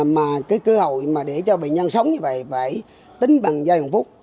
mà cơ hội để cho bệnh nhân sống như vậy phải tính bằng giai đoạn phúc